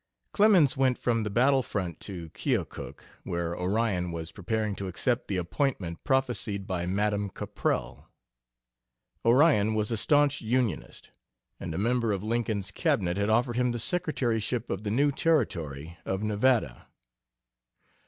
Clemens went from the battle front to Keokuk, where Orion was preparing to accept the appointment prophesied by Madame Caprell. Orion was a stanch Unionist, and a member of Lincoln's Cabinet had offered him the secretaryship of the new Territory of Nevada.